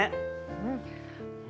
うん。